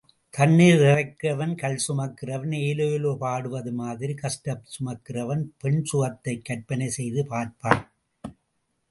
தண்ணீர் இறைக்கிறவன், கல் சுமக்கிறவன் ஏலேலோ பாடுவது மாதிரி... கஷ்டம் சுமக்கிறவன் பெண் சுகத்தைக் கற்பனை செய்து பார்ப்பான்.